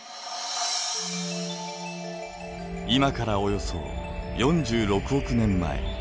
今からおよそ４６億年前。